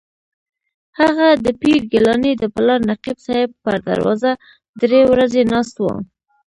هغه د پیر ګیلاني د پلار نقیب صاحب پر دروازه درې ورځې ناست و.